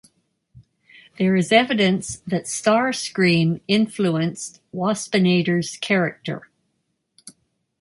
There is evidence that Starscream influenced Waspinator's character.